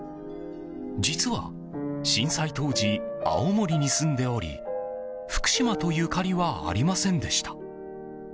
実は、震災当時青森に住んでおり福島とゆかりはありませんでした。